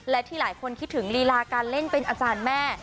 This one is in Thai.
และที่หลายคนคิดถึงลีลาการเล่นเป็นอาจารย์แม่